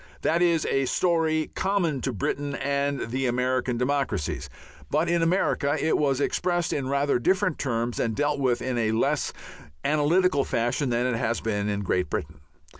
That is a story common to Britain and the American democracies, but in America it was expressed in rather different terms and dealt with in a less analytical fashion than it has been in Great Britain.